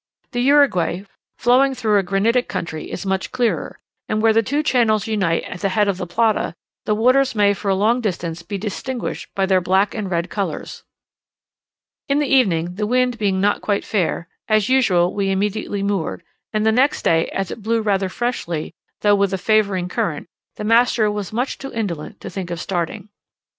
The Uruguay, flowing through a granitic country, is much clearer; and where the two channels unite at the head of the Plata, the waters may for a long distance be distinguished by their black and red colours. In the evening, the wind being not quite fair, as usual we immediately moored, and the next day, as it blew rather freshly, though with a favouring current, the master was much too indolent to think of starting.